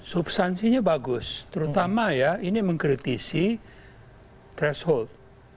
substansinya bagus terutama ya ini mengkritisi threshold